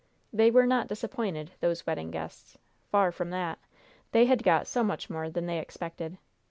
They were not disappointed, those wedding guests. Far from that. They had got so much more than they expected!